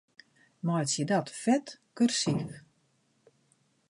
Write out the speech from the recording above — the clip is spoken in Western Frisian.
Meitsje dat fet kursyf.